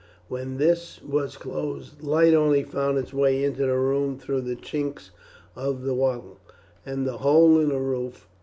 When this was closed light only found its way into the room through the chinks of the wattle and the hole in the roof.